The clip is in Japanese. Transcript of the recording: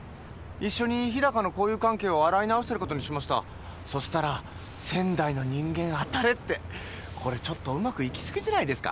一緒に日高の交友関係を洗い直してることにしましたそしたら仙台の人間あたれってこれちょっとうまくいきすぎじゃないですか？